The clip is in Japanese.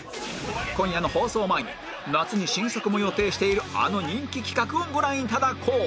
今夜の放送前に夏に新作も予定しているあの人気企画をご覧いただこう